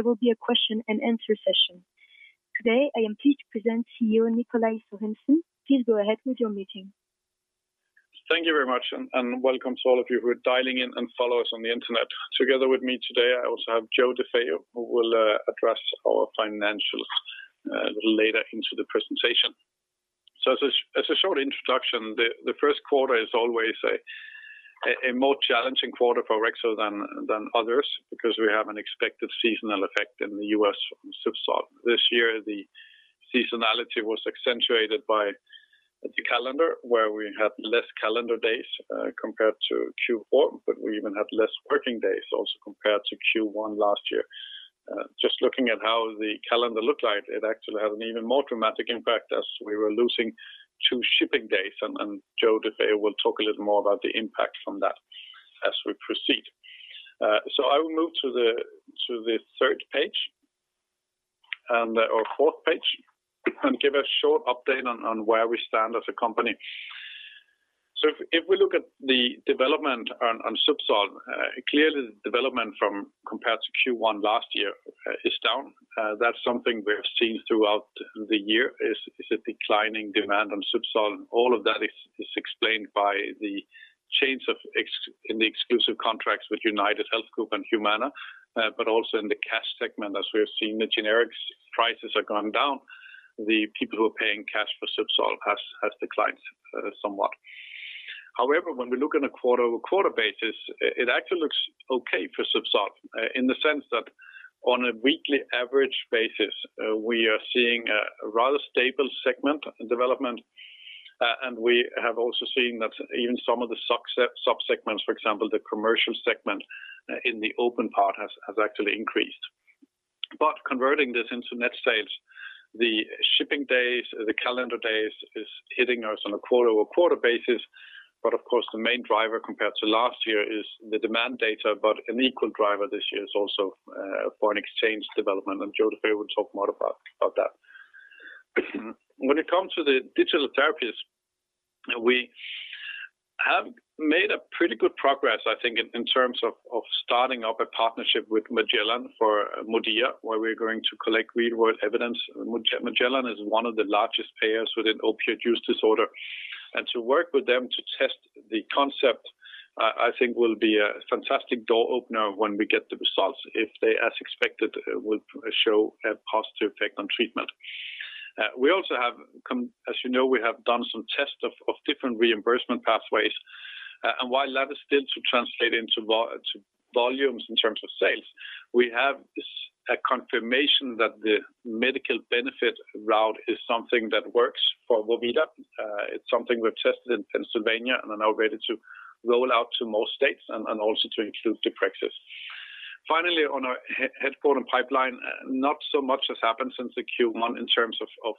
There will be a question and answer session. Today, I am pleased to present CEO Nikolaj Sørensen. Please go ahead with your meeting. Thank you very much. Welcome to all of you who are dialing in and follow us on the internet. Together with me today, I also have Joe DeFeo, who will address our financials later into the presentation. As a short introduction, the first quarter is always a more challenging quarter for Orexo than others, because we have an expected seasonal effect in the U.S. from ZUBSOLV. This year, the seasonality was accentuated by the calendar, where we had less calendar days compared to Q4, but we even had less working days also compared to Q1 last year. Just looking at how the calendar looked like, it actually had an even more dramatic impact as we were losing two shipping days, and Joe DeFeo will talk a little more about the impact from that as we proceed. I will move to the third page and our fourth page and give a short update on where we stand as a company. If we look at the development on ZUBSOLV, clearly the development from compared to Q1 last year is down. That's something we have seen throughout the year, is a declining demand on ZUBSOLV, and all of that is explained by the change in the exclusive contracts with UnitedHealth Group and Humana, but also in the cash segment as we have seen the generics prices are going down, the people who are paying cash for ZUBSOLV has declined somewhat. However, when we look on a quarter-over-quarter basis, it actually looks okay for ZUBSOLV, in the sense that on a weekly average basis, we are seeing a rather stable segment development. We have also seen that even some of the subsegments, for example, the commercial segment in the open part has actually increased. Converting this into net sales, the shipping days, the calendar days, is hitting us on a quarter-over-quarter basis. Of course, the main driver compared to last year is the demand data, but an equal driver this year is also foreign exchange development, and Joe DeFeo will talk more about that. When it comes to the digital therapies, we have made a pretty good progress, I think, in terms of starting up a partnership with Magellan for MODIA, where we're going to collect real-world evidence. Magellan is one of the largest payers within opioid use disorder. To work with them to test the concept, I think will be a fantastic door-opener when we get the results, if they, as expected, will show a positive effect on treatment. We also have, as you know, we have done some tests of different reimbursement pathways. While that is still to translate into volumes in terms of sales, we have a confirmation that the medical benefit route is something that works for vorvida. It's something we've tested in Pennsylvania and are now ready to roll out to most states and also to include deprexis. Finally, on our headquarter pipeline, not so much has happened since the Q1 in terms of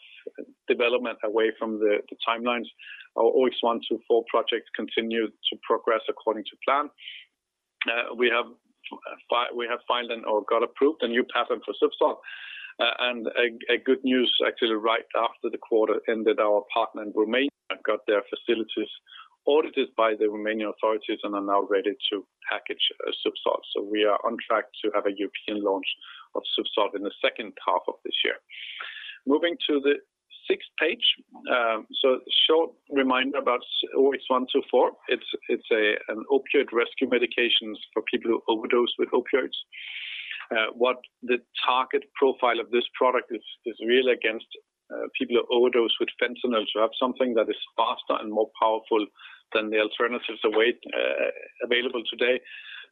development away from the timelines. OX124 project continued to progress according to plan. We have filed and got approved a new patent for ZUBSOLV. A good news actually right after the quarter ended, our partner in Romania have got their facilities audited by the Romanian authorities and are now ready to package ZUBSOLV. We are on track to have a European launch of ZUBSOLV in the second half of this year. Moving to the sixth page. Short reminder about OX124. It's an opioid rescue medications for people who overdose with opioids. What the target profile of this product is really against people who overdose with fentanyl to have something that is faster and more powerful than the alternatives available today.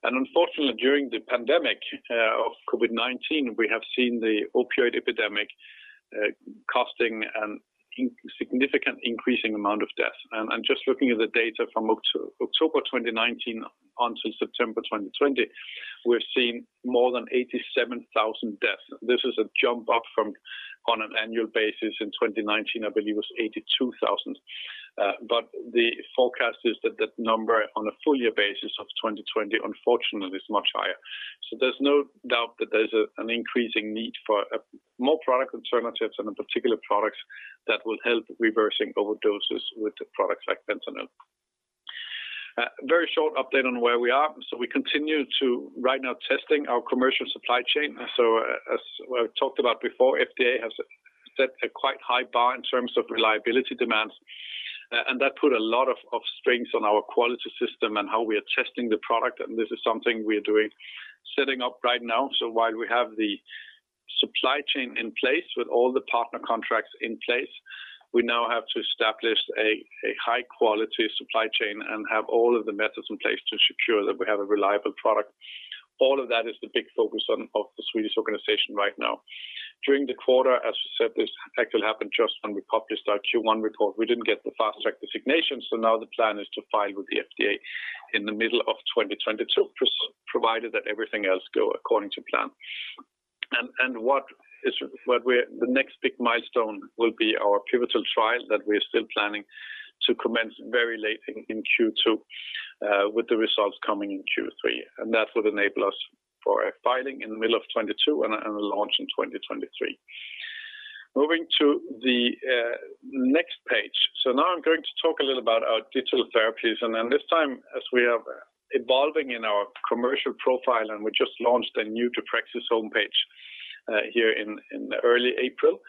Unfortunately, during the pandemic of COVID-19, we have seen the opioid epidemic costing a significant increasing amount of death. Just looking at the data from October 2019 until September 2020, we're seeing more than 87,000 deaths. This is a jump up from on an annual basis in 2019, I believe it was 82,000. The forecast is that number on a full year basis of 2020, unfortunately, is much higher. There's no doubt that there's an increasing need for more product alternatives and in particular products that will help reversing overdoses with the products like fentanyl. A very short update on where we are. We continue to right now testing our commercial supply chain. As we talked about before, FDA has set a quite high bar in terms of reliability demands, and that put a lot of strains on our quality system and how we are testing the product, and this is something we are doing, setting up right now. While we have the supply chain in place with all the partner contracts in place, we now have to establish a high-quality supply chain and have all of the methods in place to secure that we have a reliable product. All of that is the big focus of the Swedish organization right now. During the quarter, as I said, this actually happened just when we published our Q1 report. We didn't get the Fast Track designation, now the plan is to file with the FDA in the middle of 2022, provided that everything else go according to plan. The next big milestone will be our pivotal trial that we're still planning to commence very late in Q2, with the results coming in Q3. That will enable us for a filing in the middle of 2022 and a launch in 2023. Moving to the next page. Now I'm going to talk a little about our digital therapies, and then this time, as we are evolving in our commercial profile, and we just launched a new deprexis homepage here in early April.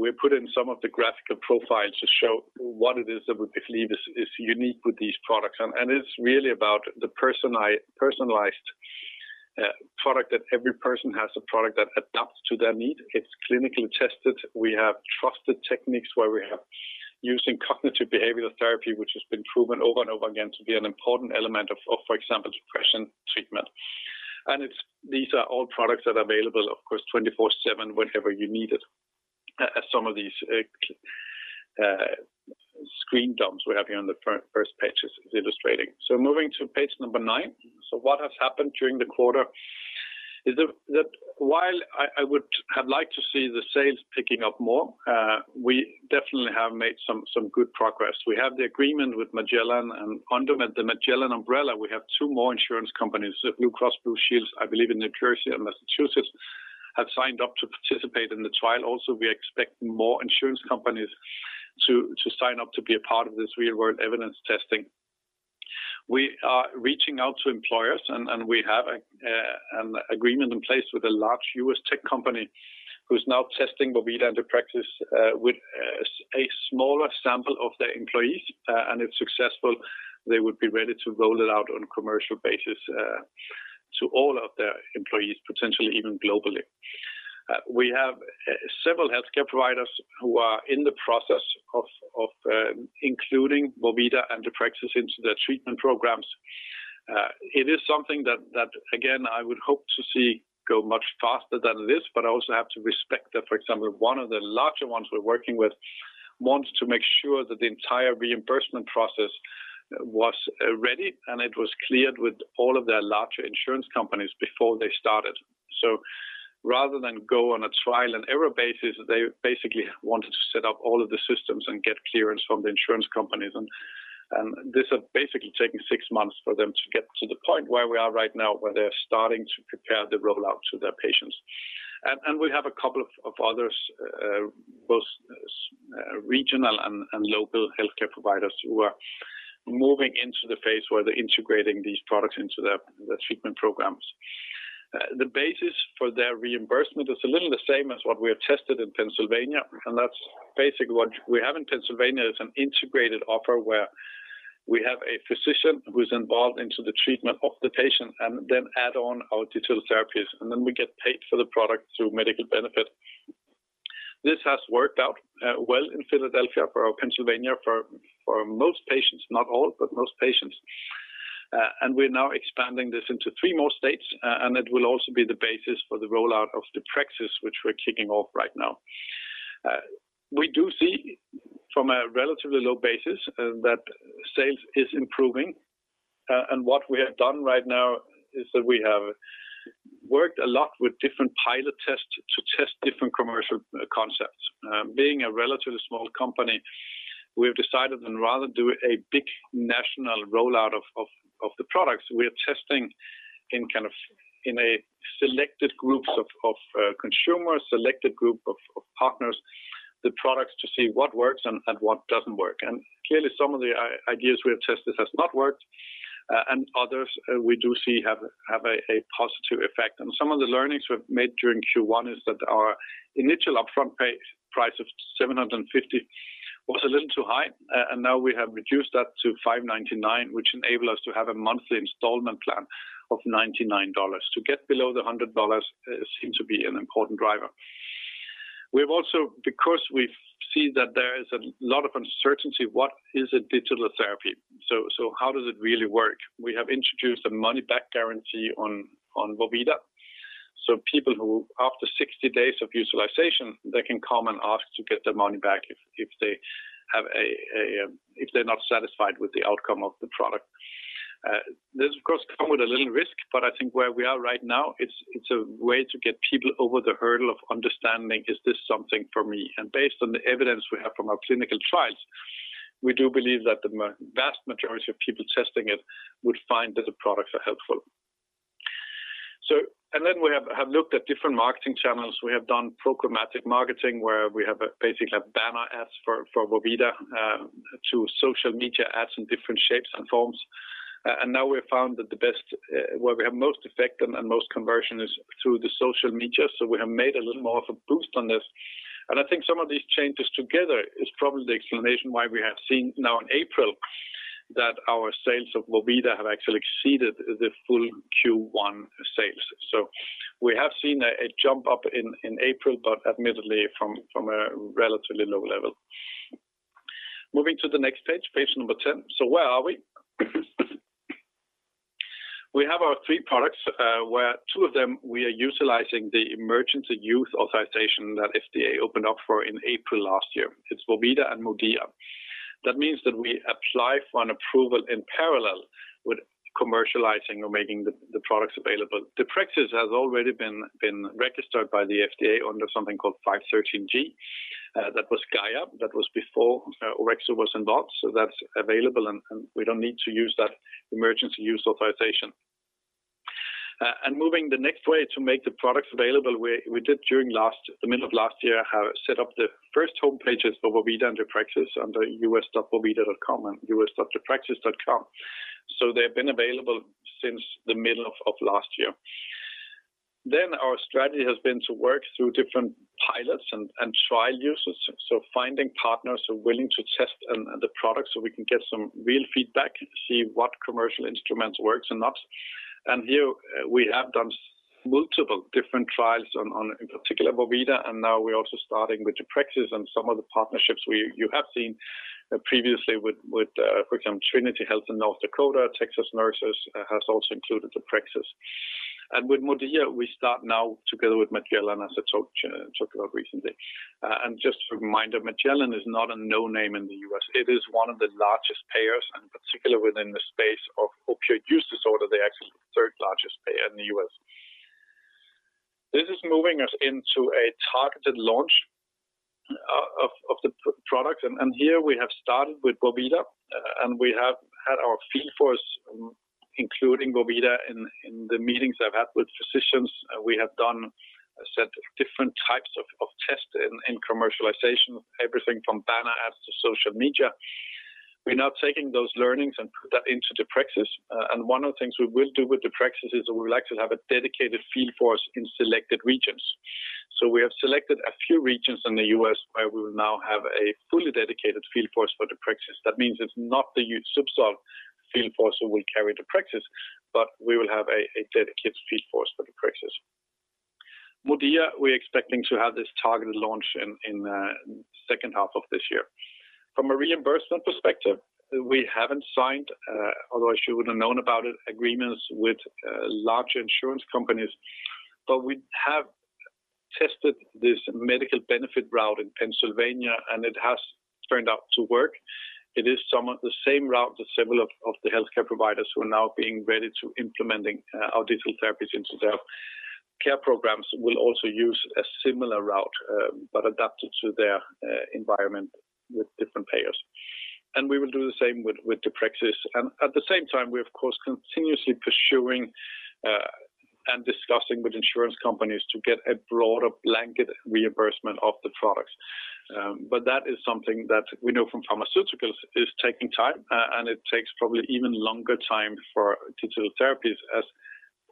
We put in some of the graphical profiles to show what it is that we believe is unique with these products. It's really about the personalized product, that every person has a product that adapts to their need. It's clinically tested. We have trusted techniques where we are using cognitive behavioral therapy, which has been proven over and over again to be an important element of, for example, depression treatment. These are all products that are available, of course, 24/7, whenever you need it, as some of these screen dumps we have here on the first page is illustrating. Moving to page number nine. What has happened during the quarter is that while I would have liked to see the sales picking up more, we definitely have made some good progress. We have the agreement with Magellan, and under the Magellan umbrella, we have two more insurance companies, Blue Cross Blue Shield, I believe in New Jersey and Massachusetts, have signed up to participate in the trial. We expect more insurance companies to sign up to be a part of this real-world evidence testing. We are reaching out to employers, and we have an agreement in place with a large U.S. Tech company who's now testing vorvida and deprexis with a smaller sample of their employees, and if successful, they would be ready to roll it out on commercial basis to all of their employees, potentially even globally. We have several healthcare providers who are in the process of including vorvida and deprexis into their treatment programs. It is something that, again, I would hope to see go much faster than this, but I also have to respect that, for example, one of the larger ones we're working with wants to make sure that the entire reimbursement process was ready and it was cleared with all of their larger insurance companies before they started. Rather than go on a trial-and-error basis, they basically wanted to set up all of the systems and get clearance from the insurance companies. This has basically taken six months for them to get to the point where we are right now, where they're starting to prepare the rollout to their patients. We have a couple of others, both regional and local healthcare providers who are moving into the phase where they're integrating these products into their treatment programs. The basis for their reimbursement is a little the same as what we have tested in Pennsylvania, and that's basically what we have in Pennsylvania is an integrated offer where we have a physician who's involved into the treatment of the patient and then add on our digital therapies, and then we get paid for the product through medical benefit. This has worked out well in Philadelphia for our Pennsylvania for most patients, not all, but most patients. We're now expanding this into three more states, and it will also be the basis for the rollout of deprexis, which we're kicking off right now. We do see from a relatively low basis that sales is improving. What we have done right now is that we have worked a lot with different pilot tests to test different commercial concepts. Being a relatively small company, we have decided than rather do a big national rollout of the products, we are testing in selected groups of consumers, selected group of partners, the products to see what works and what doesn't work. Clearly, some of the ideas we have tested has not worked, and others we do see have a positive effect. Some of the learnings we've made during Q1 is that our initial upfront price of $750 was a little too high, and now we have reduced that to $599, which enable us to have a monthly installment plan of $99. To get below the $100 seems to be an important driver. We've also, because we see that there is a lot of uncertainty. What is a digital therapy? How does it really work? We have introduced a money-back guarantee on vorvida, so people who, after 60 days of utilization, they can come and ask to get their money back if they're not satisfied with the outcome of the product. This, of course, come with a little risk, but I think where we are right now, it's a way to get people over the hurdle of understanding? Is this something for me? Based on the evidence we have from our clinical trials, we do believe that the vast majority of people testing it would find that the products are helpful. Then we have looked at different marketing channels. We have done programmatic marketing where we basically have banner ads for vorvida to social media ads in different shapes and forms. Now we found that the best, where we have most effective and most conversion is through the social media. We have made a little more of a boost on this. I think some of these changes together is probably the explanation why we have seen now in April that our sales of vorvida have actually exceeded the full Q1 sales. We have seen a jump up in April, but admittedly from a relatively low level. Moving to the next page number 10. Where are we? We have our three products, where two of them we are utilizing the Emergency Use Authorization that FDA opened up for in April last year. It's vorvida and MODIA. That means that we apply for an approval in parallel with commercializing or making the products available. deprexis has already been registered by the FDA under something called 513(g). That was GAIA, that was before Orexo was involved. That's available, and we don't need to use that Emergency Use Authorization. Moving the next way to make the products available, we did during the middle of last year, have set up the first homepages for vorvida and deprexis under us.vorvida.com and us.deprexis.com. They've been available since the middle of last year. Our strategy has been to work through different pilots and trial users, so finding partners who are willing to test the product so we can get some real feedback, see what commercial instruments works and not. Here we have done multiple different trials on, in particular, vorvida, and now we're also starting with deprexis and some of the partnerships you have seen previously with, for example, Trinity Health in North Dakota, Texas Nurses has also included deprexis. With MODIA, we start now together with Magellan, as I talked about recently. Just a reminder, Magellan is not a no-name in the U.S. It is one of the largest payers and particular within the space of opioid use disorder, they are actually the third largest payer in the U.S. This is moving us into a targeted launch of the product, and here we have started with vorvida, and we have had our field force including vorvida in the meetings I've had with physicians. We have done a set of different types of tests in commercialization, everything from banner ads to social media. We're now taking those learnings and put that into deprexis. One of the things we will do with deprexis is we would like to have a dedicated field force in selected regions. We have selected a few regions in the U.S. where we will now have a fully dedicated field force for deprexis. That means it's not the huge ZUBSOLV field force who will carry deprexis, but we will have a dedicated field force for deprexis. MODIA, we're expecting to have this targeted launch in the second half of this year. From a reimbursement perspective, we haven't signed, although you would have known about it, agreements with large insurance companies, but we have tested this medical benefit route in Pennsylvania, and it has turned out to work. It is somewhat the same route that several of the healthcare providers who are now being ready to implementing our digital therapies into their care programs will also use a similar route, but adapted to their environment with different payers. We will do the same with deprexis. At the same time, we're, of course, continuously pursuing and discussing with insurance companies to get a broader blanket reimbursement of the products. That is something that we know from pharmaceuticals is taking time, and it takes probably even longer time for digital therapies as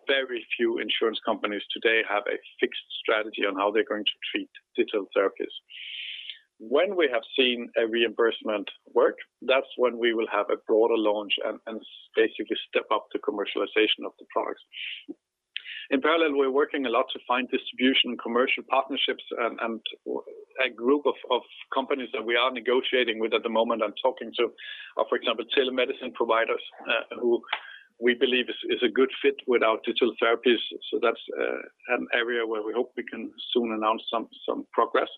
very few insurance companies today have a fixed strategy on how they're going to treat digital therapies. When we have seen a reimbursement work, that's when we will have a broader launch and basically step up the commercialization of the products. In parallel, we're working a lot to find distribution, commercial partnerships and a group of companies that we are negotiating with at the moment and talking to, for example, telemedicine providers, who we believe is a good fit with our digital therapies. That's an area where we hope we can soon announce some progress.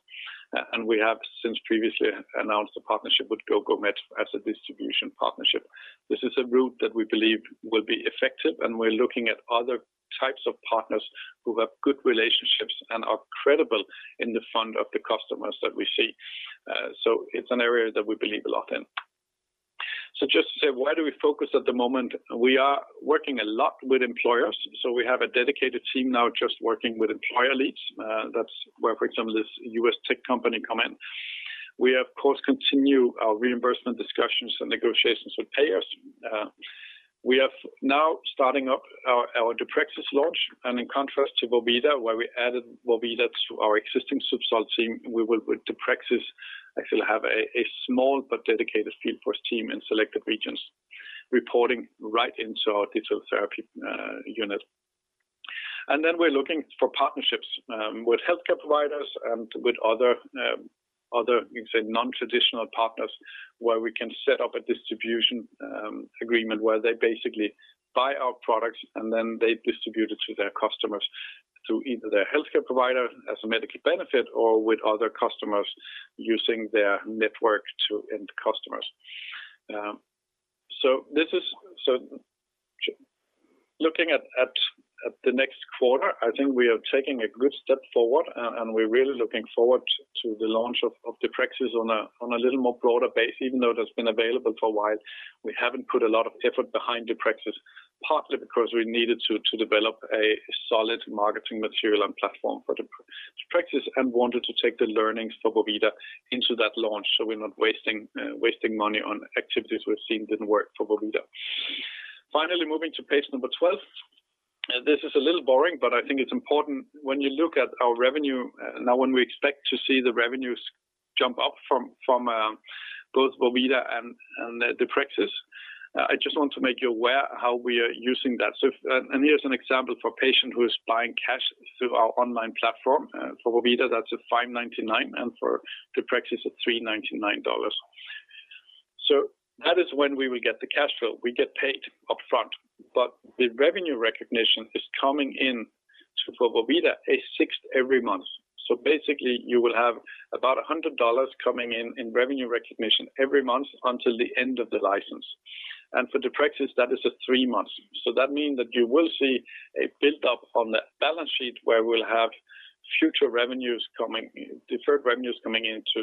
We have since previously announced a partnership with GoGoMeds as a distribution partnership. This is a route that we believe will be effective, and we're looking at other types of partners who have good relationships and are credible in the front of the customers that we see. It's an area that we believe a lot in. Just to say, where do we focus at the moment? We are working a lot with employers, so we have a dedicated team now just working with employer leads. That's where, for example, this U.S. tech company come in. We of course continue our reimbursement discussions and negotiations with payers. We have now starting up our deprexis launch, in contrast to vorvida, where we added vorvida to our existing ZUBSOLV team, we will with deprexis actually have a small but dedicated field force team in selected regions reporting right into our digital therapy unit. We're looking for partnerships with healthcare providers and with other, you can say, non-traditional partners where we can set up a distribution agreement where they basically buy our products and then they distribute it to their customers through either their healthcare provider as a medical benefit or with other customers using their network to end customers. Looking at the next quarter, I think we are taking a good step forward and we're really looking forward to the launch of deprexis on a little more broader base. Even though it has been available for a while, we haven't put a lot of effort behind deprexis, partly because we needed to develop a solid marketing material and platform for deprexis and wanted to take the learnings for vorvida into that launch so we're not wasting money on activities we've seen didn't work for vorvida. Finally, moving to page number 12. This is a little boring, but I think it's important when you look at our revenue now when we expect to see the revenues jump up from both vorvida and deprexis. I just want to make you aware how we are using that. Here's an example for a patient who is buying cash through our online platform. For vorvida, that's $599 and for deprexis, it's $399. That is when we will get the cash flow. We get paid upfront, but the revenue recognition is coming in for vorvida a 6th every month. Basically you will have about $100 coming in in revenue recognition every month until the end of the license. For deprexis, that is a three months. That means that you will see a build-up on the balance sheet where we'll have future revenues coming, deferred revenues coming into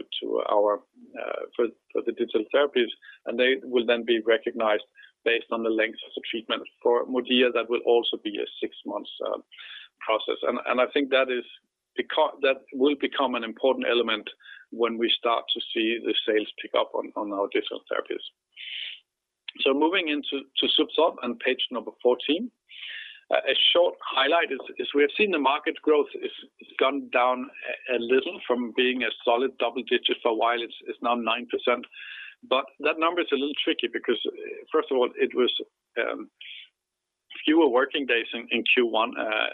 For the digital therapies, and they will then be recognized based on the length of the treatment. For MODIA, that will also be a six months process. I think that will become an important element when we start to see the sales pick up on our digital therapies. Moving into ZUBSOLV on page number 14. A short highlight is we have seen the market growth has gone down a little from being a solid double digit for a while. It's now 9%. That number is a little tricky because first of all, it was fewer working days in Q1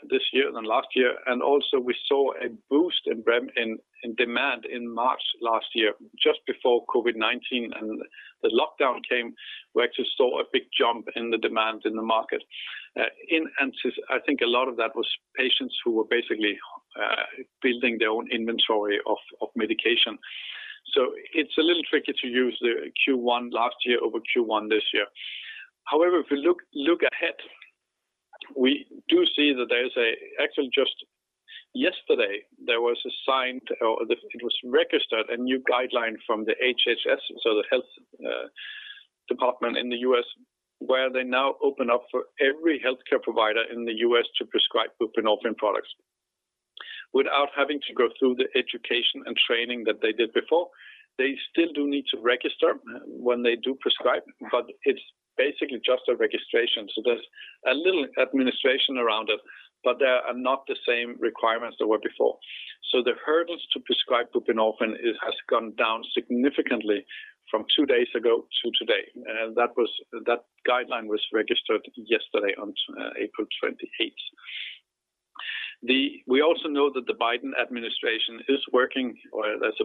this year than last year. Also we saw a boost in demand in March last year just before COVID-19 and the lockdown came. We actually saw a big jump in the demand in the market. I think a lot of that was patients who were basically building their own inventory of medication. It's a little tricky to use the Q1 last year over Q1 this year. If we look ahead, we do see that just yesterday, there was a signed, or it was registered, a new guideline from the HHS, so the health department in the U.S., where they now open up for every healthcare provider in the U.S. to prescribe buprenorphine products without having to go through the education and training that they did before. They still do need to register when they do prescribe, but it's basically just a registration, so there's a little administration around it, but there are not the same requirements there were before. The hurdles to prescribe buprenorphine has gone down significantly from two days ago to today. That guideline was registered yesterday on April 28th. We also know that the Biden administration is working or there's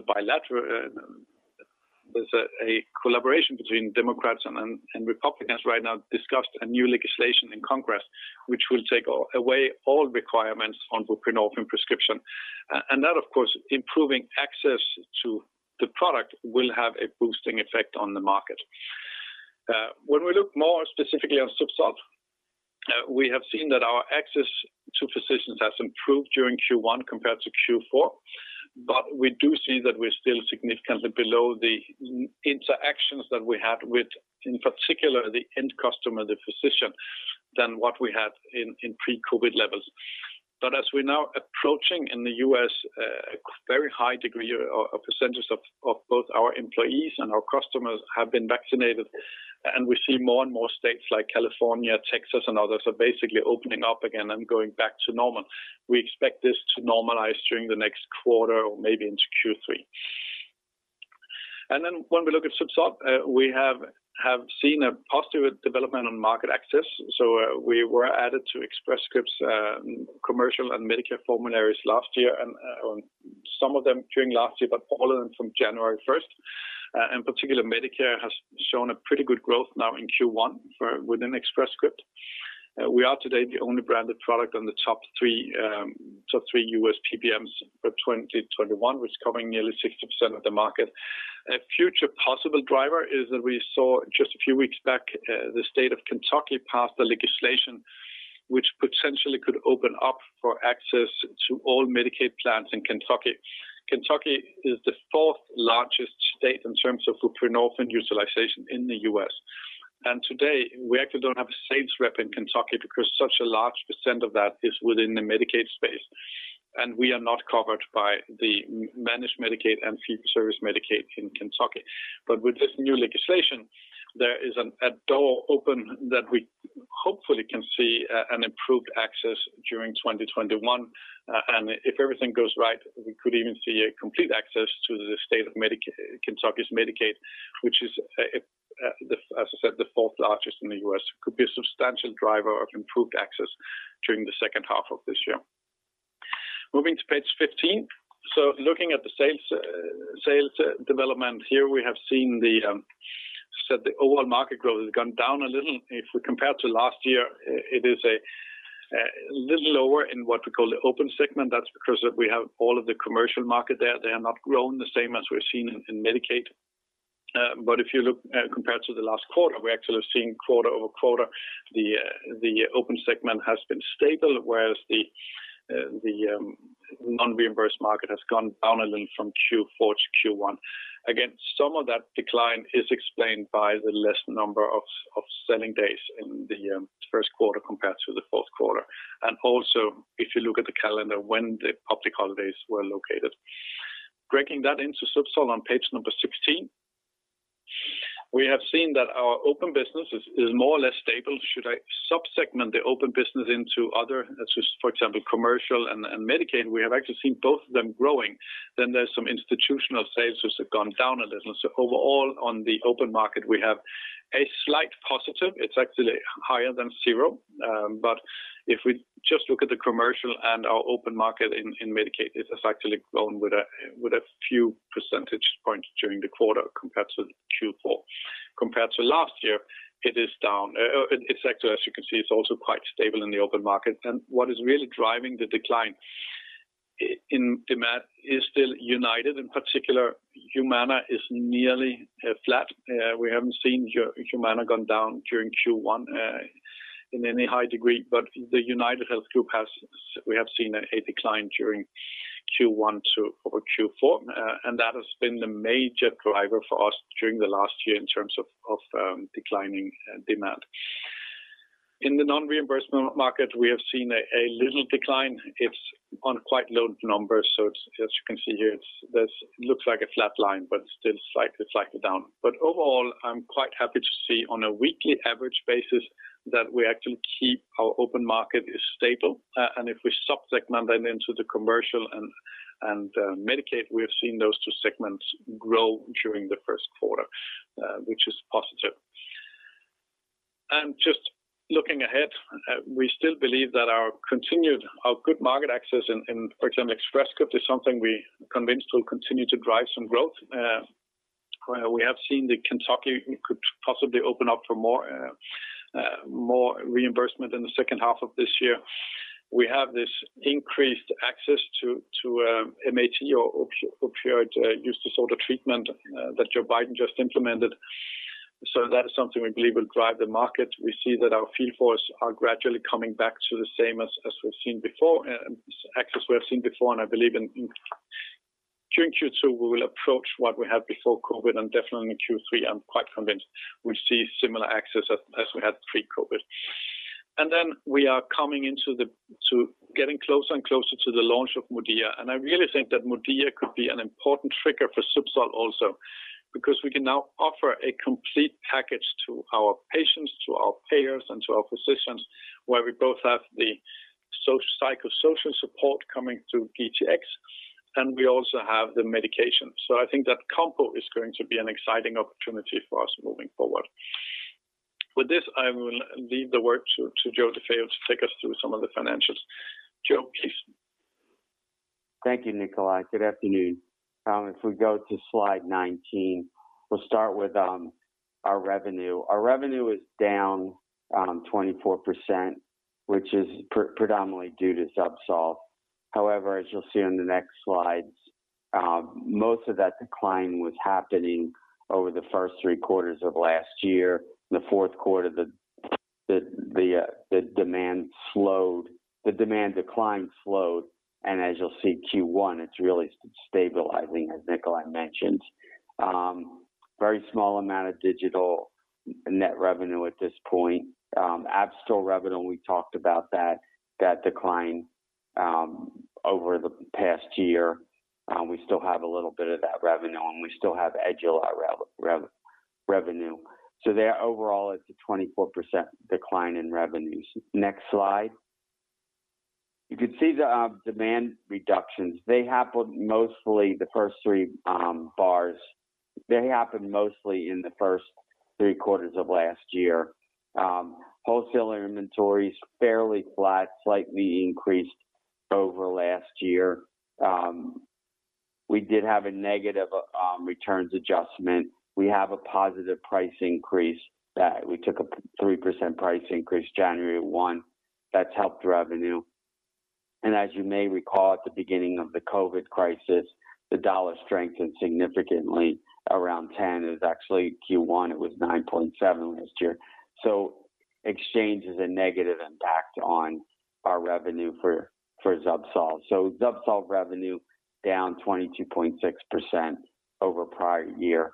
a collaboration between Democrats and Republicans right now to discuss a new legislation in Congress, which will take away all requirements on buprenorphine prescription. That, of course, improving access to the product will have a boosting effect on the market. When we look more specifically on ZUBSOLV, we have seen that our access to physicians has improved during Q1 compared to Q4, but we do see that we're still significantly below the interactions that we had with, in particular, the end customer, the physician, than what we had in pre-COVID levels. As we're now approaching in the U.S., a very high degree or percentage of both our employees and our customers have been vaccinated. And we see more and more states like California, Texas, and others are basically opening up again and going back to normal. We expect this to normalize during the next quarter or maybe into Q3. When we look at ZUBSOLV, we have seen a positive development on market access. We were added to Express Scripts commercial and Medicare formularies last year and some of them during last year, but all of them from January 1st. In particular, Medicare has shown a pretty good growth now in Q1 within Express Scripts. We are today the only branded product on the top three U.S. PBMs for 2021, which is covering nearly 60% of the market. A future possible driver is that we saw just a few weeks back, the state of Kentucky passed a legislation which potentially could open up for access to all Medicaid plans in Kentucky. Kentucky is the fourth largest state in terms of buprenorphine utilization in the U.S. Today, we actually don't have a sales rep in Kentucky because such a large percent of that is within the Medicaid space. We are not covered by the Managed Medicaid and Fee-for-Service Medicaid in Kentucky. With this new legislation, there is a door open that we hopefully can see an improved access during 2021. If everything goes right, we could even see a complete access to the state of Kentucky's Medicaid, which is, as I said, the fourth largest in the U.S. Could be a substantial driver of improved access during the second half of this year. Moving to page 15. Looking at the sales development here, we have seen the overall market growth has gone down a little. If we compare to last year, it is a little lower in what we call the open segment. That's because we have all of the commercial market there. They have not grown the same as we've seen in Medicaid. If you look compared to the last quarter, we actually have seen quarter-over-quarter, the open segment has been stable, whereas the non-reimbursed market has gone down a little from Q4 to Q1. Again, some of that decline is explained by the less number of selling days in the first quarter compared to the fourth quarter. Also, if you look at the calendar, when the public holidays were located. Breaking that into ZUBSOLV on page 16. We have seen that our open business is more or less stable. Should I sub-segment the open business into other, for example, commercial and Medicaid, we have actually seen both of them growing. There's some institutional sales which have gone down a little. Overall, on the open market, we have a slight positive. It's actually higher than zero. If we just look at the commercial and our open market in Medicaid, it has actually grown with a few percentage points during the quarter compared to Q4. Compared to last year, it is down. It's actually, as you can see, it's also quite stable in the open market. What is really driving the decline in demand is still United. In particular, Humana is nearly flat. We haven't seen Humana gone down during Q1 in any high degree, but UnitedHealth Group, we have seen a decline during Q1 over Q4, and that has been the major driver for us during the last year in terms of declining demand. In the non-reimbursement market, we have seen a little decline. It's on quite low numbers. As you can see here, it looks like a flat line, but still slightly down. Overall, I'm quite happy to see on a weekly average basis that we actually keep our open market is stable. If we sub-segment that into the commercial and Medicaid, we have seen those two segments grow during the first quarter, which is positive. Just looking ahead, we still believe that our good market access in, for example, Express Scripts, is something we are convinced will continue to drive some growth. We have seen that Kentucky could possibly open up for more reimbursement in the second half of this year. We have this increased access to MAT or opioid use disorder treatment that Joe Biden just implemented. That is something we believe will drive the market. We see that our field force are gradually coming back to the same as we've seen before, access we have seen before, and I believe during Q2, we will approach what we had before COVID, and definitely in Q3, I am quite convinced we see similar access as we had pre-COVID. Then we are getting closer and closer to the launch of MODIA, and I really think that MODIA could be an important trigger for ZUBSOLV also, because we can now offer a complete package to our patients, to our payers, and to our physicians, where we both have the psychosocial support coming through DTx, and we also have the medication. I think that combo is going to be an exciting opportunity for us moving forward. With this, I will leave the word to Joe DeFeo to take us through some of the financials. Joe, please. Thank you, Nikolaj. Good afternoon. If we go to slide 19, we'll start with our revenue. Our revenue is down 24%, which is predominantly due to ZUBSOLV. As you'll see on the next slides, most of that decline was happening over the first three quarters of last year. The fourth quarter, the demand decline slowed, and as you'll see, Q1, it's really stabilizing, as Nikolaj mentioned. Very small amount of digital net revenue at this point. Abstral revenue, we talked about that decline over the past year. We still have a little bit of that revenue, and we still have Edluar revenue. There overall, it's a 24% decline in revenues. Next slide. You can see the demand reductions. They happened mostly the first three bars. They happened mostly in the first three quarters of last year. Wholesale inventories fairly flat, slightly increased over last year. We did have a negative returns adjustment. We have a positive price increase that we took a 3% price increase January 1, that has helped revenue. As you may recall, at the beginning of the COVID crisis, the dollar strengthened significantly. Around 10 is actually Q1. It was 9.7 last year. Exchange is a negative impact on our revenue for ZUBSOLV. ZUBSOLV revenue down 22.6% over prior year.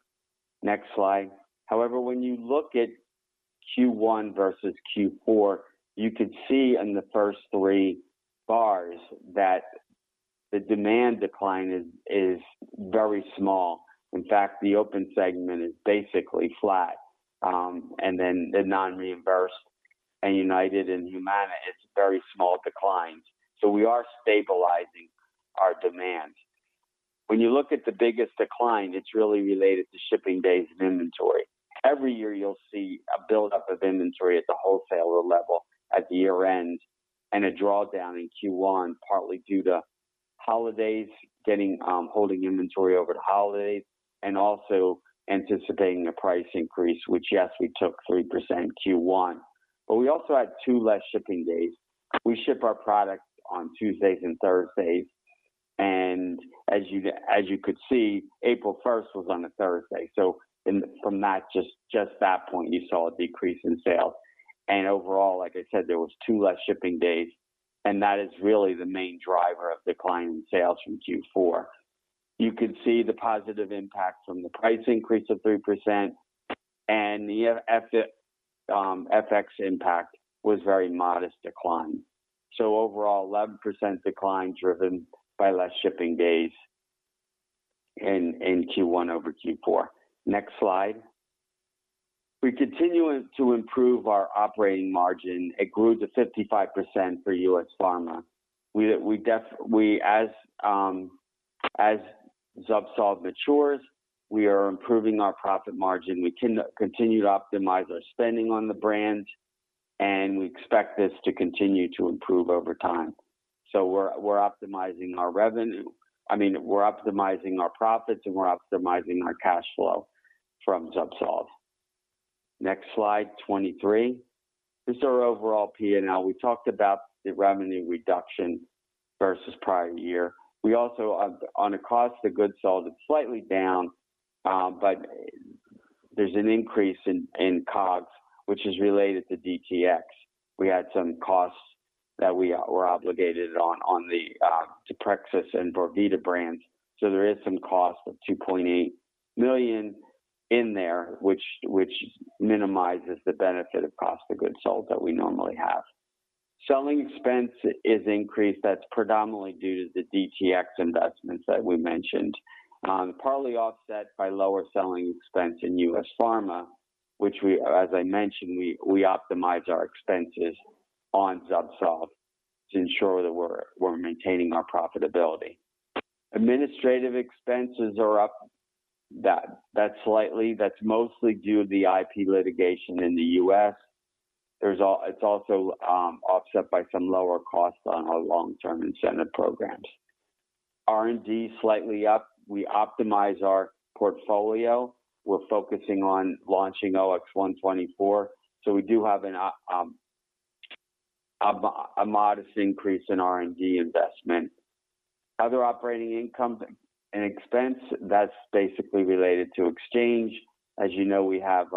Next slide. However, when you look at Q1 versus Q4, you could see in the first three bars that the demand decline is very small. In fact, the open segment is basically flat. Then the non-reimbursed and United and Humana, it is very small declines. We are stabilizing our demand. When you look at the biggest decline, it is really related to shipping days and inventory. Every year you'll see a buildup of inventory at the wholesaler level at the year-end and a drawdown in Q1, partly due to holidays, holding inventory over the holidays, and also anticipating a price increase, which, yes, we took 3% Q1. We also had two less shipping days. We ship our product on Tuesdays and Thursdays, and as you could see, April 1st was on a Thursday. From just that point, you saw a decrease in sales. Overall, like I said, there was two less shipping days, and that is really the main driver of decline in sales from Q4. You could see the positive impact from the price increase of 3%, and the FX impact was very modest decline. Overall, 11% decline driven by less shipping days in Q1 over Q4. Next slide. We continue to improve our operating margin. It grew to 55% for U.S. Pharma. As ZUBSOLV matures, we are improving our profit margin. We continue to optimize our spending on the brand, we expect this to continue to improve over time. We're optimizing our revenue. I mean, we're optimizing our profits, and we're optimizing our cash flow from ZUBSOLV. Next slide, 23. This is our overall P&L. We talked about the revenue reduction versus prior year. We also, on a cost of goods sold, it's slightly down, but there's an increase in COGS, which is related to DTx. We had some costs that we were obligated on the deprexis and vorvida brands. There is some cost of 2.8 million in there, which minimizes the benefit of cost of goods sold that we normally have. Selling expense is increased. That's predominantly due to the DTx investments that we mentioned, partly offset by lower selling expense in U.S. Pharma, which we, as I mentioned, we optimize our expenses on ZUBSOLV to ensure that we're maintaining our profitability. Administrative expenses are up slightly. That's mostly due to the IP litigation in the U.S. It's also offset by some lower costs on our long-term incentive programs. R&D slightly up. We optimize our portfolio. We're focusing on launching OX124, so we do have a modest increase in R&D investment. Other operating income and expense, that's basically related to exchange. As you know, we have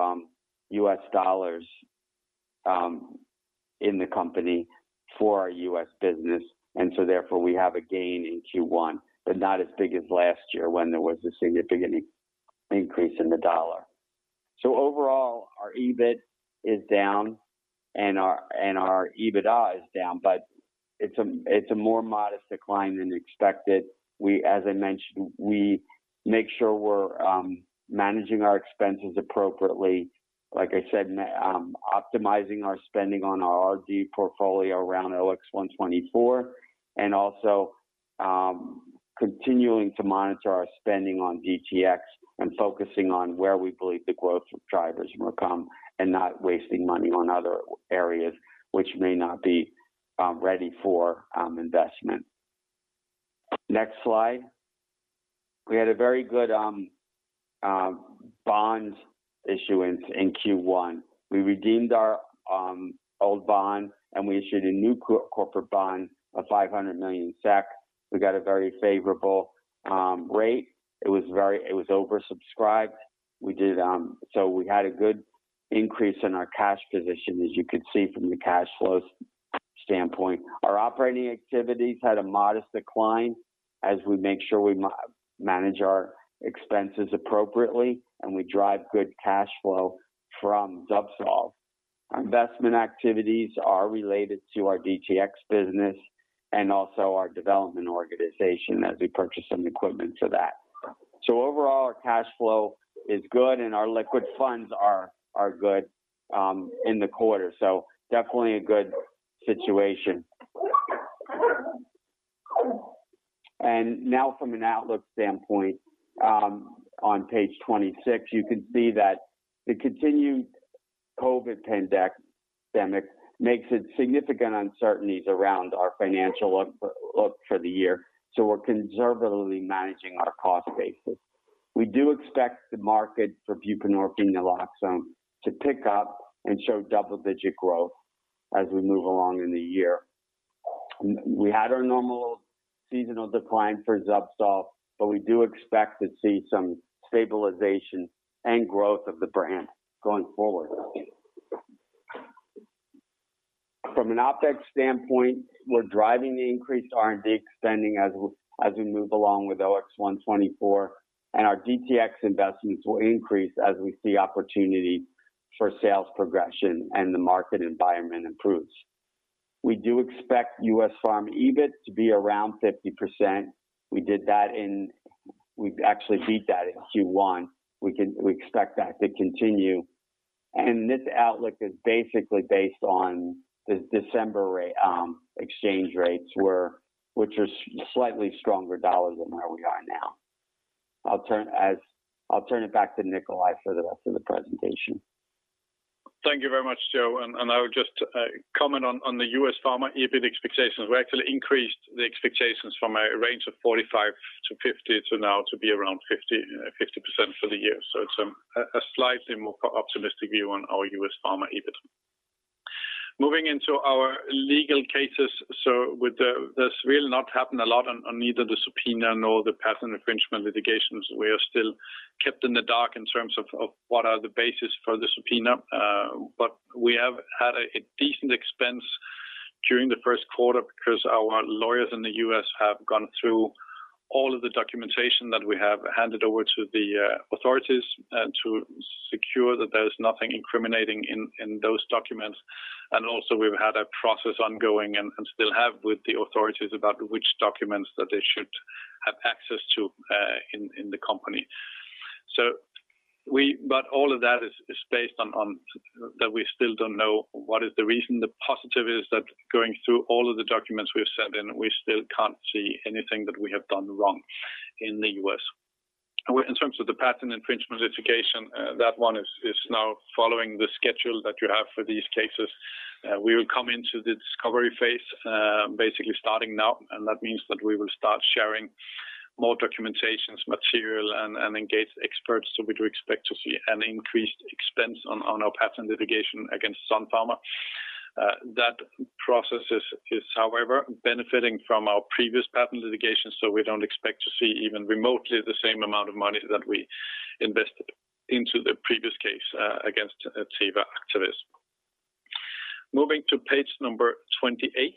U.S. dollars in the company for our U.S. business, and so therefore, we have a gain in Q1, but not as big as last year when there was a significant increase in the dollar. Overall, our EBIT is down, and our EBITDA is down, but it's a more modest decline than expected. As I mentioned, we make sure we're managing our expenses appropriately. Like I said, optimizing our spending on our R&D portfolio around OX124 and also continuing to monitor our spending on DTx and focusing on where we believe the growth drivers will come and not wasting money on other areas which may not be ready for investment. Next slide. We had a very good bond issuance in Q1. We redeemed our old bond, and we issued a new corporate bond of 500 million SEK. We got a very favorable rate. It was oversubscribed. We had a good increase in our cash position, as you can see from the cash flows standpoint. Our operating activities had a modest decline as we make sure we manage our expenses appropriately and we drive good cash flow from ZUBSOLV. Investment activities are related to our DTx business and also our development organization as we purchase some equipment for that. Overall, our cash flow is good, and our liquid funds are good in the quarter. Definitely a good situation. Now from an outlook standpoint, on page 26, you can see that the continued COVID pandemic makes it significant uncertainties around our financial outlook for the year, so we're conservatively managing our cost basis. We do expect the market for buprenorphine naloxone to pick up and show double-digit growth as we move along in the year. We had our normal seasonal decline for ZUBSOLV, but we do expect to see some stabilization and growth of the brand going forward. From an OpEx standpoint, we're driving the increased R&D spending as we move along with OX124, and our DTx investments will increase as we see opportunity for sales progression and the market environment improves. We do expect US Pharma EBIT to be around 50%. We actually beat that in Q1. We expect that to continue. This outlook is basically based on the December exchange rates, which was slightly stronger dollar than where we are now. I'll turn it back to Nikolaj for the rest of the presentation. Thank you very much, Joe. I would just comment on the U.S. Pharma EBIT expectations. We actually increased the expectations from a range of 45%-50% to now to be around 50% for the year. It's a slightly more optimistic view on our U.S. Pharma EBIT. Moving into our legal cases. With the Suit, not happened a lot on either the subpoena nor the patent infringement litigations. We are still kept in the dark in terms of what are the basis for the subpoena. We have had a decent expense during the first quarter because our lawyers in the U.S. have gone through all of the documentation that we have handed over to the authorities to secure that there is nothing incriminating in those documents. We've had a process ongoing, and still have with the authorities about which documents that they should have access to in the company. All of that is based on that we still don't know what is the reason. The positive is that going through all of the documents we have sent in, we still can't see anything that we have done wrong in the U.S. In terms of the patent infringement litigation, that one is now following the schedule that you have for these cases. We will come into the discovery phase, basically starting now, and that means that we will start sharing more documentations, material, and engaged experts. We do expect to see an increased expense on our patent litigation against Sun Pharma. That process is however, benefiting from our previous patent litigation, so we don't expect to see even remotely the same amount of money that we invested into the previous case against Actavis. Moving to page number 28.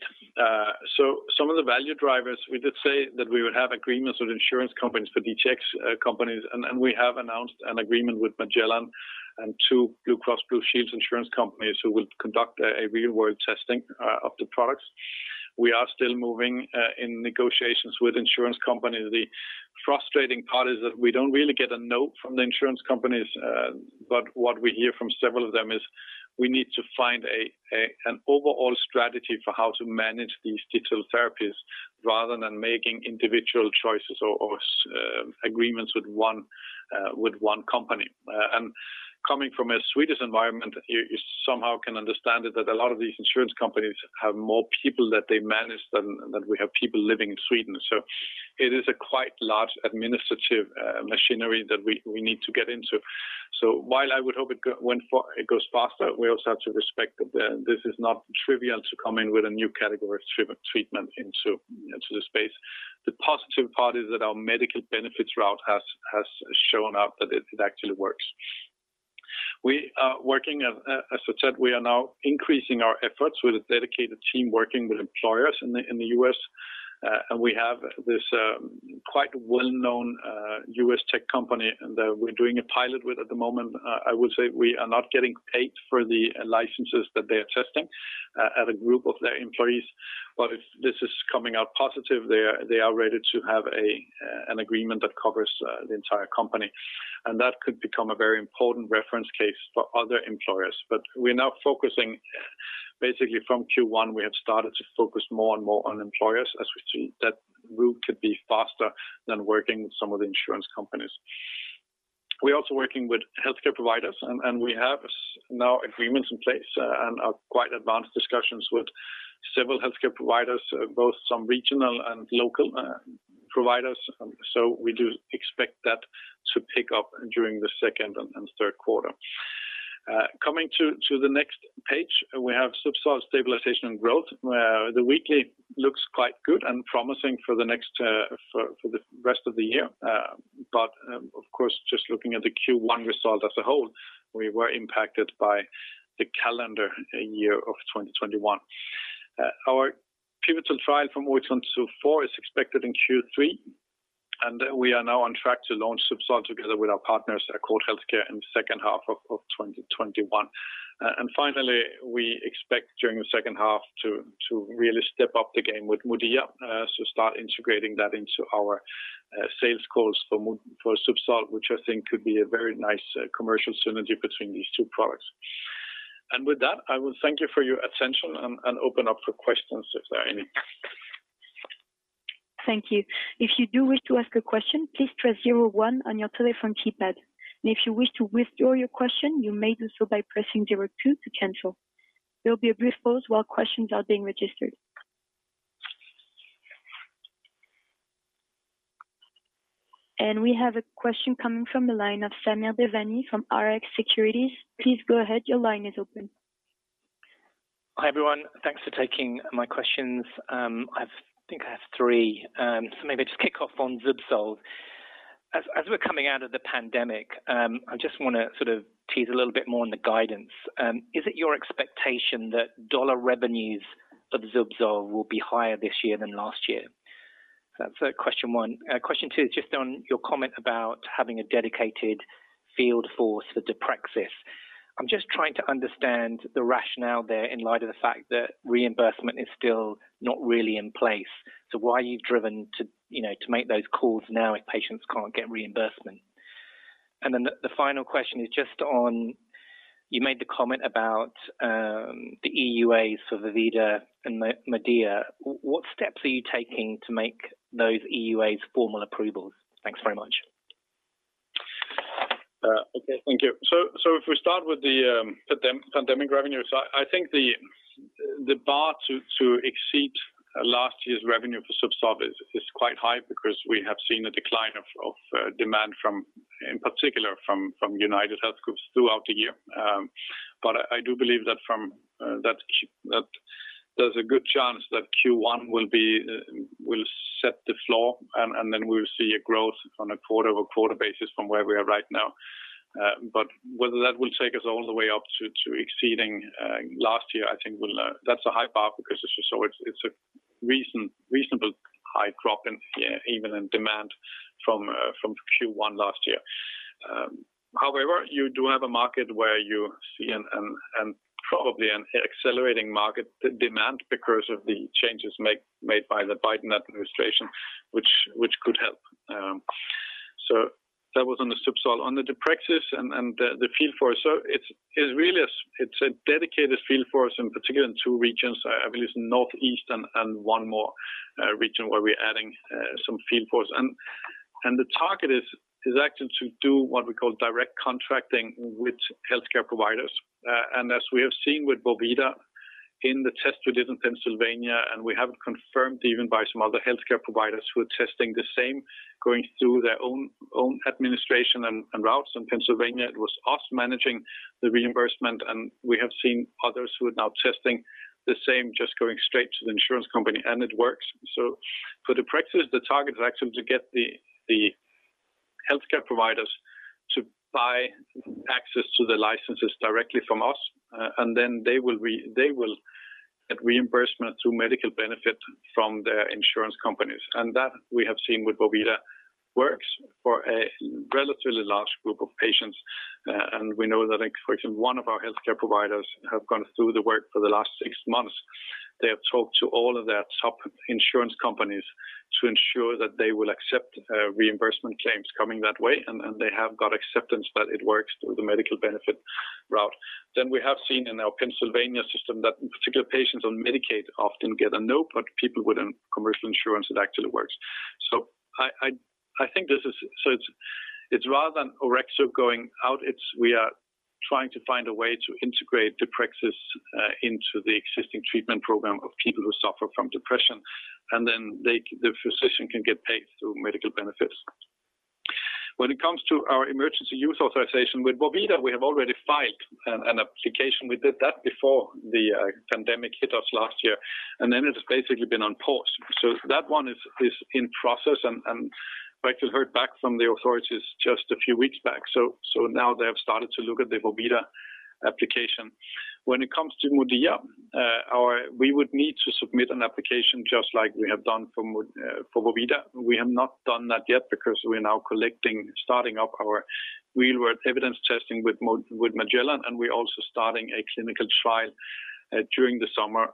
Some of the value drivers, we did say that we would have agreements with insurance companies for DTx companies, and we have announced an agreement with Magellan and two Blue Cross Blue Shield insurance companies who will conduct a real-world testing of the products. We are still moving in negotiations with insurance companies. The frustrating part is that we don't really get a no from the insurance companies. What we hear from several of them is, we need to find an overall strategy for how to manage these digital therapies rather than making individual choices or agreements with one company. Coming from a Swedish environment, you somehow can understand that a lot of these insurance companies have more people that they manage than we have people living in Sweden. It is a quite large administrative machinery that we need to get into. While I would hope it goes faster, we also have to respect that this is not trivial to come in with a new category of treatment into the space. The positive part is that our medical benefits route has shown us that it actually works. As I said, we are now increasing our efforts with a dedicated team working with employers in the U.S. We have this quite well-known U.S. tech company that we're doing a pilot with at the moment. I would say we are not getting paid for the licenses that they're testing at a group of their employees. If this is coming out positive, they are ready to have an agreement that covers the entire company. That could become a very important reference case for other employers. We're now focusing basically from Q1, we have started to focus more and more on employers as we see that route could be faster than working with some of the insurance companies. We're also working with healthcare providers, and we have now agreements in place and are quite advanced discussions with several healthcare providers, both some regional and local providers. We do expect that to pick up during the second and third quarter. Coming to the next page, we have ZUBSOLV stabilization and growth. The weekly looks quite good and promising for the rest of the year. Of course, just looking at the Q1 result as a whole, we were impacted by the calendar year of 2021. Our pivotal trial for OX124 is expected in Q3, we are now on track to launch ZUBSOLV together with our partners at Accord Healthcare in the second half of 2021. Finally, we expect during the second half to really step up the game with MODIA, so start integrating that into our sales calls for ZUBSOLV, which I think could be a very nice commercial synergy between these two products. With that, I will thank you for your attention and open up for questions if there are any. Thank you. If you do wish to ask a question, please press zero one on your telephone keypad. If you wish to withdraw your question, you may do so by pressing zero two to cancel. There will be a brief pause while questions are being registered. We have a question coming from the line of Samir Devani from Rx Securities. Please go ahead. Your line is open. Hi, everyone. Thanks for taking my questions. I think I have three. Maybe I'll just kick off on ZUBSOLV. As we're coming out of the pandemic, I just want to sort of tease a little bit more on the guidance. Is it your expectation that dollar revenues of ZUBSOLV will be higher this year than last year? That's question one. Question two is just on your comment about having a dedicated field force for deprexis. I'm just trying to understand the rationale there in light of the fact that reimbursement is still not really in place. Why are you driven to make those calls now if patients can't get reimbursement? The final question is just on, you made the comment about the EUA for vorvida and MODIA. What steps are you taking to make those EUA formal approvals? Thanks very much. Okay. Thank you. If we start with the pandemic revenue. I think the bar to exceed last year's revenue for ZUBSOLV is quite high because we have seen a decline of demand from, in particular, from UnitedHealth Group throughout the year. I do believe that there's a good chance that Q1 will set the floor, and then we will see a growth on a quarter-over-quarter basis from where we are right now. Whether that will take us all the way up to exceeding last year, I think that's a high bar because it's a reasonable high drop in demand from Q1 last year. However, you do have a market where you see, and probably an accelerating market demand because of the changes made by the Biden administration, which could help. That was on the ZUBSOLV. On the deprexis and the field force. It's a dedicated field force in particular in two regions, I believe it's Northeast and one more region where we're adding some field force. The target is actually to do what we call direct contracting with healthcare providers. As we have seen with vorvida. In the test we did in Pennsylvania, and we have confirmed even by some other healthcare providers who are testing the same, going through their own administration and routes. In Pennsylvania, it was us managing the reimbursement, and we have seen others who are now testing the same, just going straight to the insurance company, and it works. For deprexis, the target is actually to get the healthcare providers to buy access to the licenses directly from us, and then they will get reimbursement through medical benefit from their insurance companies. That, we have seen with vorvida, works for a relatively large group of patients. We know that, for example, one of our healthcare providers have gone through the work for the last six months. They have talked to all of their top insurance companies to ensure that they will accept reimbursement claims coming that way. They have got acceptance that it works through the medical benefit route. We have seen in our Pennsylvania system that particular patients on Medicaid often get a no. People with commercial insurance, it actually works. It's rather than Orexo going out, it's we are trying to find a way to integrate deprexis into the existing treatment program of people who suffer from depression. Then the physician can get paid through medical benefits. When it comes to our Emergency Use Authorization with vorvida, we have already filed an application. We did that before the pandemic hit us last year, then it's basically been on pause. That one is in process and we actually heard back from the authorities just a few weeks back. Now they have started to look at the vorvida application. When it comes to MODIA, we would need to submit an application just like we have done for vorvida. We have not done that yet because we are now starting up our real-world evidence testing with Magellan, and we're also starting a clinical trial during the summer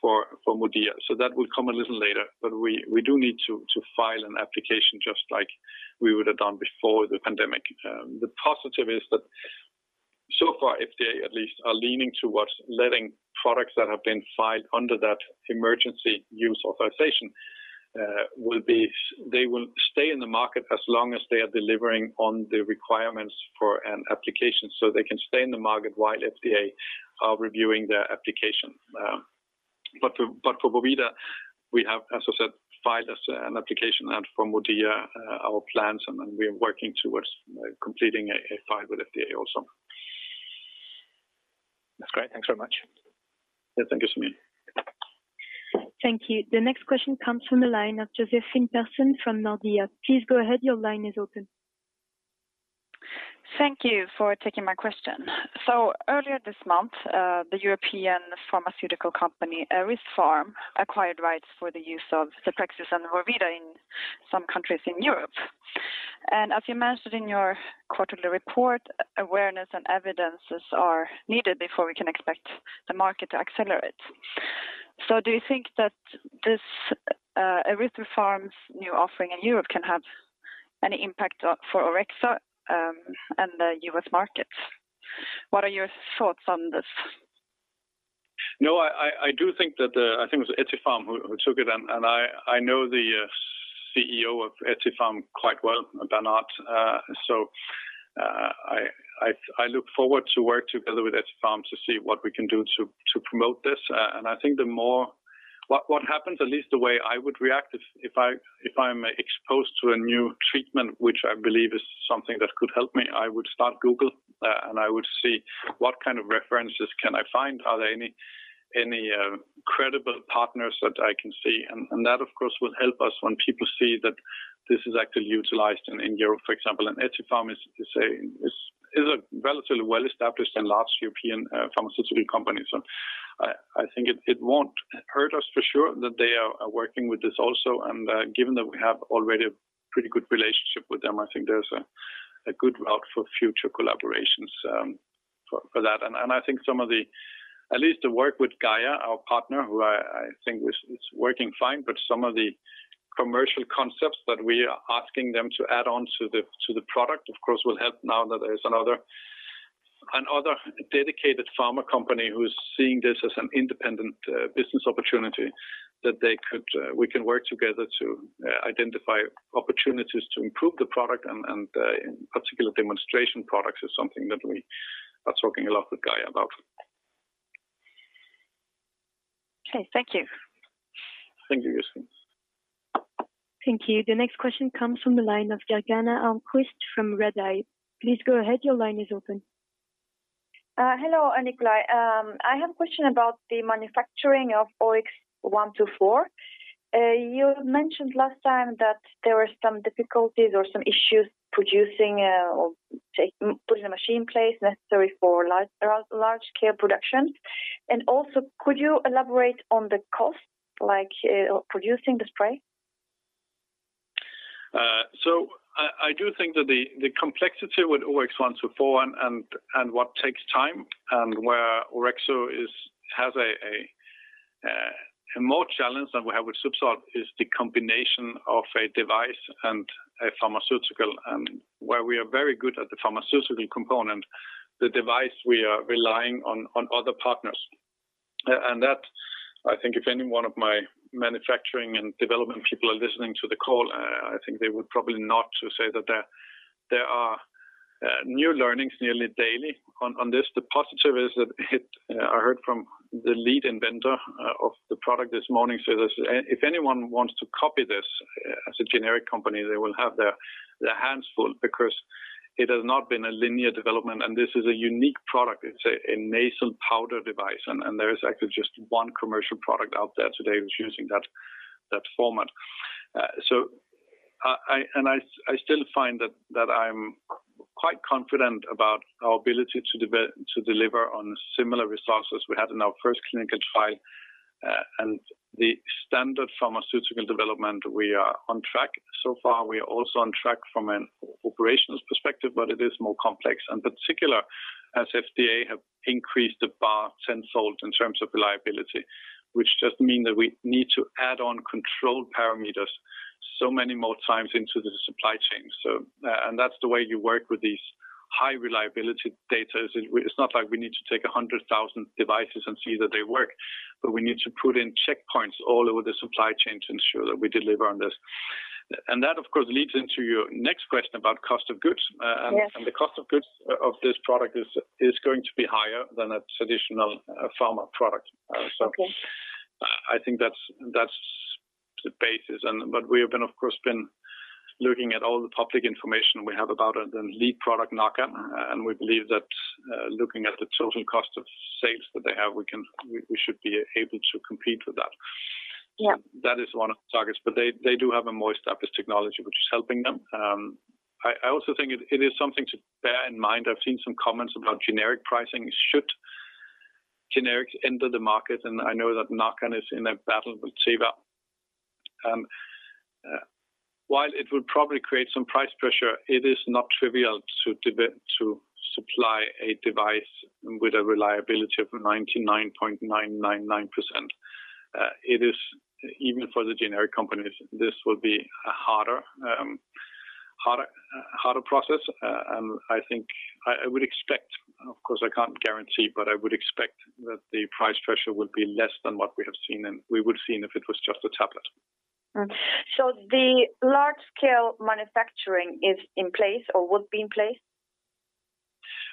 for MODIA. That will come a little later. We do need to file an application just like we would have done before the pandemic. The positive is that so far, FDA at least are leaning towards letting products that have been filed under that Emergency Use Authorization, they will stay in the market as long as they are delivering on the requirements for an application. They can stay in the market while FDA are reviewing their application. For vorvida, we have, as I said, filed as an application. For MODIA, our plans, and we are working towards completing a file with FDA also. That's great. Thanks very much. Yeah. Thank you, Samir. Thank you. The next question comes from the line of Josefine Persson from Nordea. Please go ahead, your line is open. Thank you for taking my question. Earlier this month, the European pharmaceutical company, Ethypharm, acquired rights for the use of deprexis and vorvida in some countries in Europe. As you mentioned in your quarterly report, awareness and evidences are needed before we can expect the market to accelerate. Do you think that this Ethypharm's new offering in Europe can have any impact for Orexo and the U.S. markets? What are your thoughts on this? No, I think it was Ethypharm who took it, and I know the CEO of Ethypharm quite well, Bernard. I look forward to work together with Ethypharm to see what we can do to promote this. I think what happens, at least the way I would react if I'm exposed to a new treatment, which I believe is something that could help me, I would start Google, and I would see what kind of references can I find. Are there any credible partners that I can see? That, of course, will help us when people see that this is actually utilized in Europe, for example. Ethypharm is a relatively well-established and large European pharmaceutical company. I think it won't hurt us, for sure, that they are working with this also. Given that we have already a pretty good relationship with them, I think there's a good route for future collaborations for that. I think at least the work with GAIA, our partner, who I think is working fine, but some of the commercial concepts that we are asking them to add on to the product, of course, will help now that there's another dedicated pharma company who's seeing this as an independent business opportunity that we can work together to identify opportunities to improve the product. In particular, demonstration products is something that we are talking a lot with GAIA about. Okay. Thank you. Thank you, Josefine. Thank you. The next question comes from the line of Gergana Almquist from RedEye. Please go ahead, your line is open. Hello, Nikolaj. I have a question about the manufacturing of OX124. You mentioned last time that there were some difficulties or some issues putting the machine place necessary for large-scale production. Also, could you elaborate on the cost of producing the spray? I do think that the complexity with OX124 and what takes time, and where Orexo has a more challenge than we have with ZUBSOLV, is the combination of a device and a pharmaceutical. Where we are very good at the pharmaceutical component, the device, we are relying on other partners. That I think if any one of my manufacturing and development people are listening to the call, I think they would probably nod to say that there are new learnings nearly daily on this. The positive is that I heard from the lead inventor of the product this morning say that if anyone wants to copy this as a generic company, they will have their hands full because it has not been a linear development, and this is a unique product. It is a nasal powder device, there is actually just one commercial product out there today that's using that format. I still find that I'm quite confident about our ability to deliver on similar resources we had in our first clinical trial and the standard pharmaceutical development we are on track so far. We are also on track from an operations perspective, it is more complex and particular as FDA have increased the bar since sold in terms of reliability, which just mean that we need to add on control parameters so many more times into the supply chain. That's the way you work with these high reliability data. It's not like we need to take 100,000 devices and see that they work, but we need to put in checkpoints all over the supply chain to ensure that we deliver on this. That, of course, leads into your next question about cost of goods. Yes. The cost of goods of this product is going to be higher than a traditional pharma product. Okay. I think that's the basis, but we have been, of course, been looking at all the public information we have about the lead product, NARCAN, and we believe that looking at the total cost of sales that they have, we should be able to compete with that. Yeah. That is one of the targets, but they do have a more established technology, which is helping them. I also think it is something to bear in mind. I've seen some comments about generic pricing, should generics enter the market, and I know that NARCAN is in a battle with EVZIO. While it would probably create some price pressure, it is not trivial to supply a device with a reliability of 99.999%. Even for the generic companies, this will be a harder process. I would expect, of course, I can't guarantee, but I would expect that the price pressure would be less than what we would've seen if it was just a tablet. The large-scale manufacturing is in place or will be in place?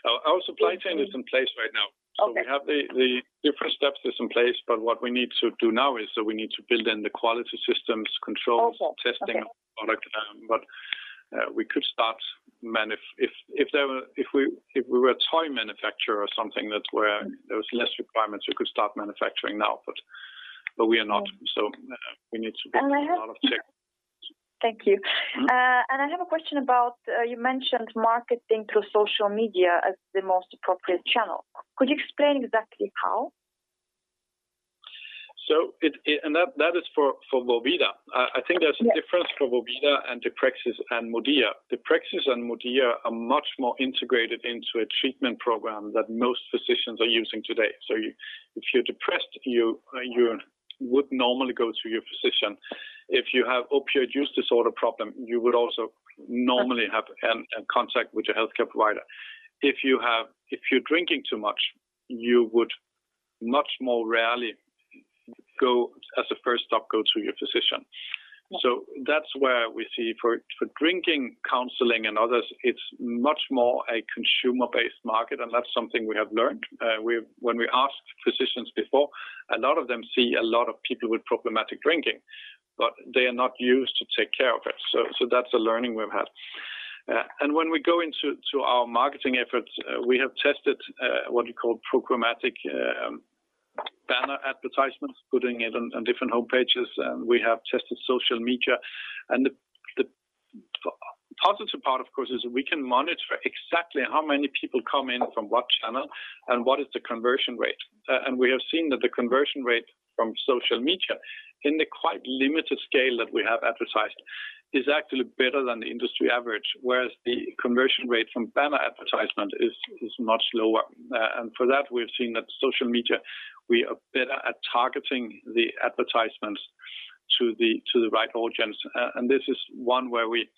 Our supply chain is in place right now. Okay. We have the different steps is in place, but what we need to do now is that we need to build in the quality systems, controls,... Okay... Testing of the product. We could start If we were a toy manufacturer or something where there was less requirements, we could start manufacturing now, but we are not, so we need to get a lot of checks. Thank you. I have a question about, you mentioned marketing through social media as the most appropriate channel. Could you explain exactly how? That is for vorvida. I think there's a difference for vorvida and deprexis and MODIA. deprexis and MODIA are much more integrated into a treatment program that most physicians are using today. If you're depressed, you would normally go to your physician. If you have opioid use disorder problem, you would also normally have contact with your healthcare provider. If you're drinking too much, you would much more rarely, as a first stop, go to your physician. Yeah. That's where we see for drinking counseling and others, it's much more a consumer-based market, and that's something we have learned. When we asked physicians before, a lot of them see a lot of people with problematic drinking, but they are not used to take care of it. That's a learning we've had. When we go into our marketing efforts, we have tested what you call programmatic banner advertisements, putting it on different homepages, and we have tested social media. The positive part, of course, is we can monitor exactly how many people come in from what channel and what is the conversion rate. We have seen that the conversion rate from social media in the quite limited scale that we have advertised is actually better than the industry average, whereas the conversion rate from banner advertisement is much lower. For that, we've seen that social media, we are better at targeting the advertisements to the right audience. This is one where we,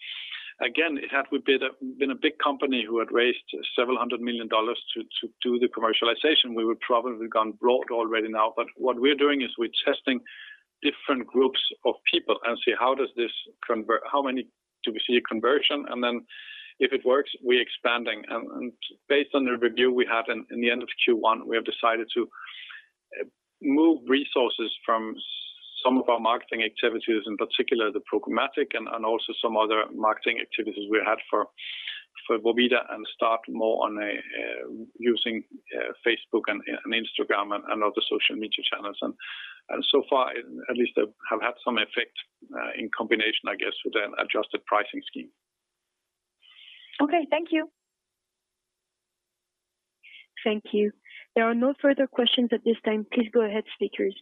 again, if we had been a big company who had raised several hundred million dollars to do the commercialization, we would probably have gone broad already now. What we're doing is we're testing different groups of people and see how many do we see a conversion, and then if it works, we expanding. Based on the review we had in the end of Q1, we have decided to move resources from some of our marketing activities, in particular the programmatic and also some other marketing activities we had for vorvida and start more on using Facebook and Instagram and other social media channels. So far, at least they have had some effect in combination, I guess, with an adjusted pricing scheme. Okay. Thank you. Thank you. There are no further questions at this time. Please go ahead, speakers.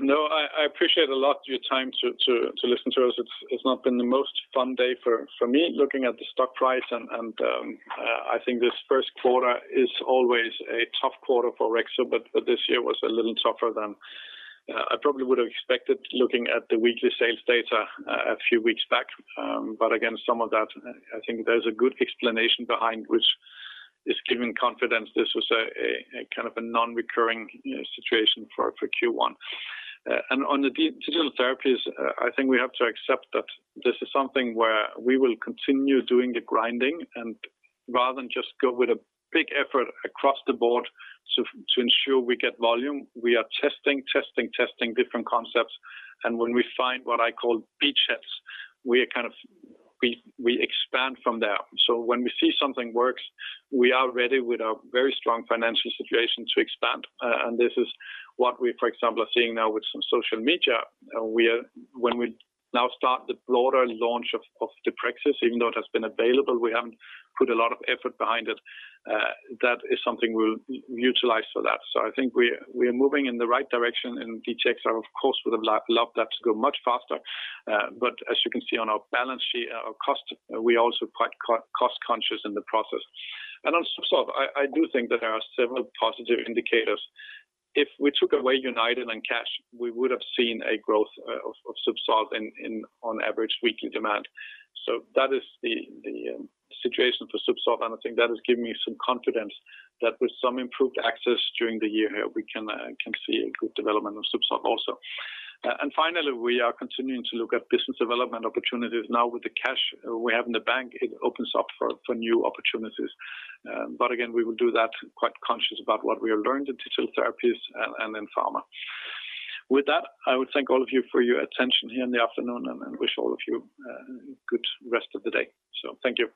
No, I appreciate a lot your time to listen to us. It's not been the most fun day for me, looking at the stock price, I think this first quarter is always a tough quarter for Orexo, this year was a little tougher than I probably would have expected looking at the weekly sales data a few weeks back. Again, some of that, I think there's a good explanation behind which is giving confidence this was a kind of a non-recurring situation for Q1. On the digital therapies, I think we have to accept that this is something where we will continue doing the grinding and rather than just go with a big effort across the board to ensure we get volume, we are testing different concepts. When we find what I call beachheads, we expand from there. When we see something works, we are ready with a very strong financial situation to expand. This is what we, for example, are seeing now with some social media. When we now start the broader launch of deprexis, even though it has been available, we haven't put a lot of effort behind it. That is something we'll utilize for that. I think we are moving in the right direction and DTx are, of course, would have loved that to go much faster. As you can see on our balance sheet, our cost, we are also quite cost-conscious in the process. On ZUBSOLV, I do think that there are several positive indicators. If we took away United and cash, we would have seen a growth of ZUBSOLV on average weekly demand. That is the situation for ZUBSOLV, and I think that has given me some confidence that with some improved access during the year, we can see a good development of ZUBSOLV also. Finally, we are continuing to look at business development opportunities now with the cash we have in the bank, it opens up for new opportunities. Again, we will do that quite conscious about what we have learned in digital therapies and in pharma. With that, I would thank all of you for your attention here in the afternoon and wish all of you a good rest of the day. Thank you.